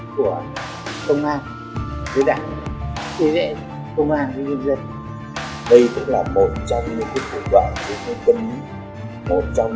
xuyên tạc bịa đặt trắng trợn